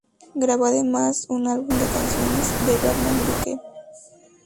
Grabó además un álbum de canciones de Vernon Duke.